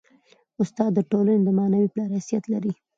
استاد د ټولني د معنوي پلار حیثیت لري.